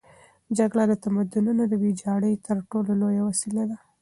جګړه د تمدنونو د ویجاړۍ تر ټولو لویه وسیله ده.